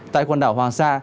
tại quần đảo hoàng sa